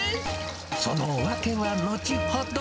その訳は後ほど。